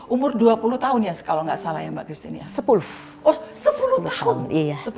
umur dua puluh tahun ya kalau enggak salah ya mbak christine